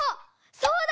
そうだ！